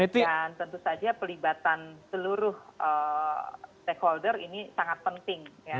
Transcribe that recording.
dan tentu saja pelibatan seluruh stakeholder ini sangat penting